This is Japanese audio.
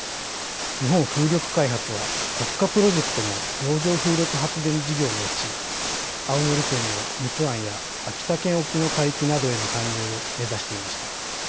日本風力開発は国家プロジェクトの洋上風力発電事業のうち青森県の陸奥湾や秋田県沖の海域などへの参入を目指していました。